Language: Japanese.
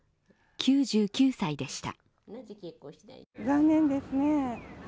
９９歳でした。